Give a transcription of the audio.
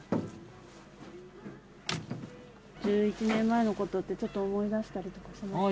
１１年前のことって、ちょっと思い出したりとかしますか？